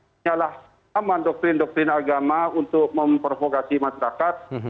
penyalah aman doktrin doktrin agama untuk memprovokasi masyarakat